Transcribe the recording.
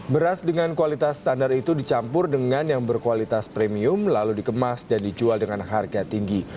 beras dengan kualitas standar itu dicampur dengan yang berkualitas premium lalu dikemas dan dijual dengan harga tinggi